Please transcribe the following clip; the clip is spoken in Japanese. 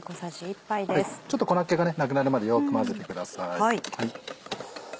ちょっと粉っ気がなくなるまでよく混ぜてください。